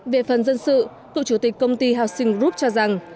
về phần dân sự cựu chủ tịch công ty housing group cho rằng